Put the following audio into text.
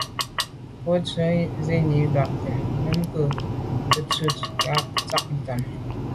Z’o ghù sènni ba ke ? Numk’o ke tsho’ tshe’ so kà ntsha’t’am à.